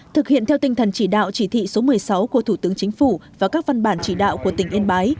thực hiện theo tinh thần chỉ đạo chỉ thị số một mươi sáu của thủ tướng chính phủ và các văn bản chỉ đạo của tỉnh yên bái